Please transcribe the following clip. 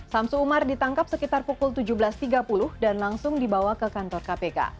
samsu umar ditangkap sekitar pukul tujuh belas tiga puluh dan langsung dibawa ke kantor kpk